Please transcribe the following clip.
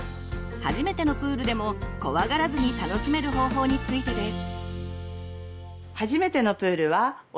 初めてのプールでも怖がらずに楽しめる方法についてです。